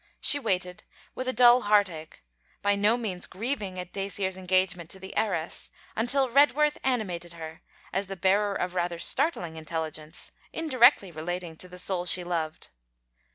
She waited, with a dull heartache: by no means grieving at Dacier's engagement to the heiress; until Redworth animated her, as the bearer of rather startling intelligence, indirectly relating to the soul she loved.